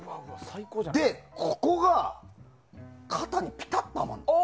で、ここが肩にピタッとはまる。